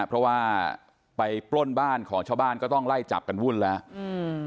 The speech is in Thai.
เพราะว่าไปปล้นบ้านของชาวบ้านก็ต้องไล่จับกันวุ่นแล้วอืม